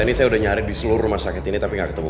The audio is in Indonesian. ini saya udah nyari di seluruh rumah sakit ini tapi gak ketemu